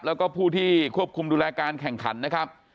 แล้วก็ผู้ที่ควบคุมดูแลการแข่งขันนะครับ